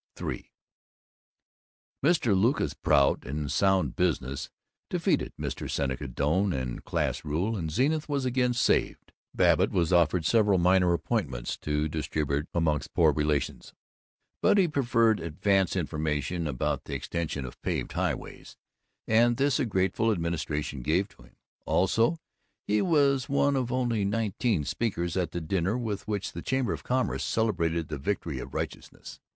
III Mr. Lucas Prout and Sound Business defeated Mr. Seneca Doane and Class Rule, and Zenith was again saved. Babbitt was offered several minor appointments to distribute among poor relations, but he preferred advance information about the extension of paved highways, and this a grateful administration gave to him. Also, he was one of only nineteen speakers at the dinner with which the Chamber of Commerce celebrated the victory of righteousness.